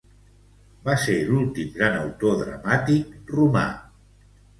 Va ser l'últim gran autor dramàtic romà.